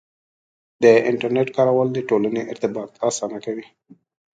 د انټرنیټ کارول د ټولنې ارتباط اسانه کوي.